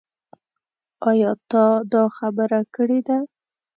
ايا تا دا خبره کړې ده ؟